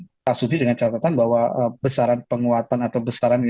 kita sudi dengan catatan bahwa besaran penguatan atau besaran